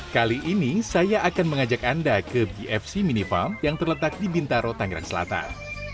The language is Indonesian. kali ini saya akan mengajak anda ke bfc mini farm yang terletak di bintaro tangerang selatan